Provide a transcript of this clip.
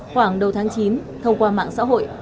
khoảng đầu tháng chín thông qua mạng xã hội